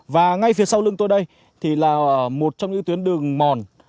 và ngay phía sau lưng tôi đây thì là một trong những tuyến đường mòn